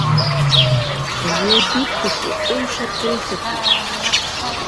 Үҙе бик көслө, эй шәп крейсер, ти.